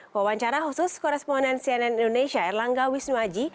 wawancara khusus koresponen cnn indonesia erlangga wisnuwaji